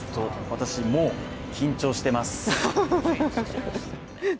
私、もう緊張してます。